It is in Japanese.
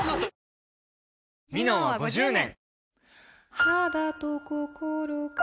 「ミノン」は５０年！